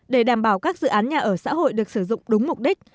để đảm bảo các dự án nhà ở xã hội được sử dụng đúng mục đích